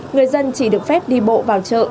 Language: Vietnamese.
người dân chỉ được phép đi bộ vào chợ